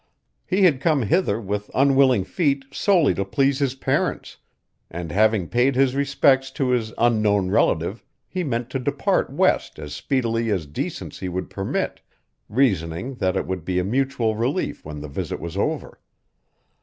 He had come hither with unwilling feet solely to please his parents, and having paid his respects to his unknown relative he meant to depart West as speedily as decency would permit, reasoning that it would be a mutual relief when the visit was over.